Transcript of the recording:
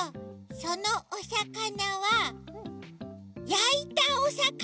そのおさかなはやいたおさかなですか？